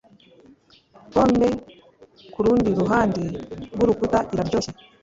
pome kurundi ruhande rwurukuta iraryoshye